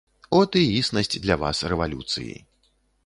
От і існасць для вас рэвалюцыі.